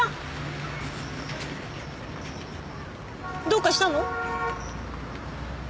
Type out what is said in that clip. どうかしたの？